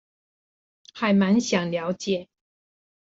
還滿想了解